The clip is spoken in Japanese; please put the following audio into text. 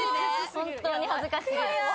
本当に恥ずかしい。